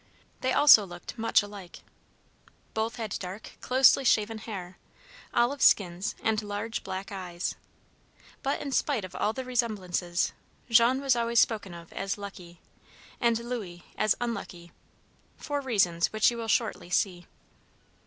They also looked much alike. Both had dark, closely shaven hair, olive skins, and large, black eyes; but in spite of all their resemblances, Jean was always spoken of as "lucky," and Louis as "unlucky," for reasons which you will shortly see.